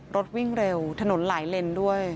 รถวิ่งเร็วถนนหลายเลนด้วย